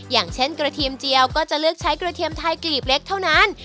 อย่างเช่นกระเทียมเจียวก็จะเลือกใช้กระเทียมไทยกลีบเล็กเท่านั้น